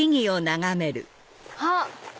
あっ！